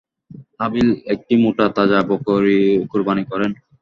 হাবীল একটি মোটা-তাজা বকরী কুরবানী করেন।